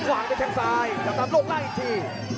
วางด้วยทางซ้ายตามตามตรงไล่อีกที